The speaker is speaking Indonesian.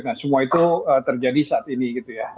nah semua itu terjadi saat ini gitu ya